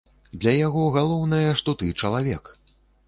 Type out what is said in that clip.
Для яго галоўнае, што ты чалавек.